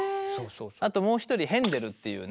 あともう一人ヘンデルっていうね